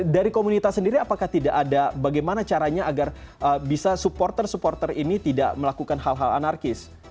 dari komunitas sendiri apakah tidak ada bagaimana caranya agar bisa supporter supporter ini tidak melakukan hal hal anarkis